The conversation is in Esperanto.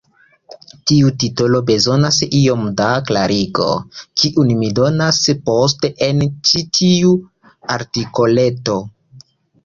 Tiu titolo bezonas iom da klarigo, kiun mi donos poste en ĉi tiu artikoleto.